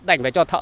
đành phải cho thợ